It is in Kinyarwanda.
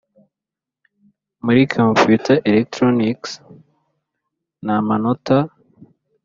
Muri computer electronics n amanota